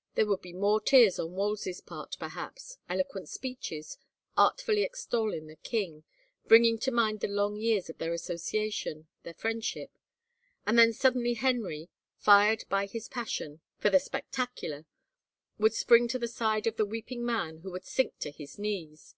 ... There would be more tears on Wolsey's part, perhaps, eloquent speeches, artfully extolling the king, bringing to mind the long years of their association, their friendship, and then suddenly Henry, fired by his passion for the spectacular, would spring to the side of the weep ing man who would sink to his knees.